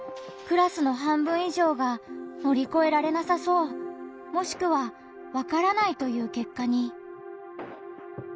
クラスの半分以上が「乗り越えられなさそう」もしくは「わからない」という結果に。